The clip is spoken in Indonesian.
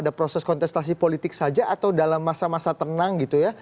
jadi ada proses kontestasi politik saja atau dalam masa masa tenang gitu ya